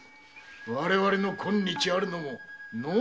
我々の今日あるのものう。